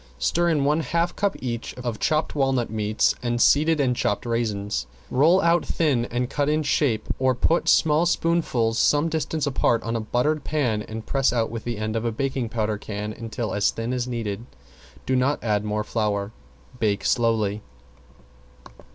Stir in one half cup each of chopped walnut meats and seeded and chopped raisins. Roll out thin and cut in shape or put small spoonfuls some distance apart on a buttered pan and press out with the end of a baking powder can until as thin as needed; do not add more flour. Bake slowly.